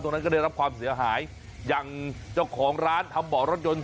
นั้นก็ได้รับความเสียหายอย่างเจ้าของร้านทำเบาะรถยนต์